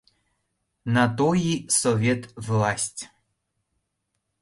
На то и Совет власть!